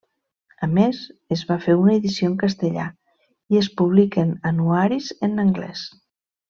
A més, es va fer una edició en castellà, i es publiquen anuaris en anglés.